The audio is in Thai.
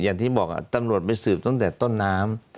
อย่างที่บอกตำรวจไปสืบตั้งแต่ต้นน้ำ